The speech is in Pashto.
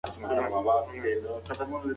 خبریالان د بیان د ازادۍ ساتونکي دي.